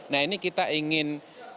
nah ini kita ingin